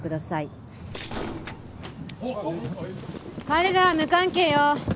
彼らは無関係よ。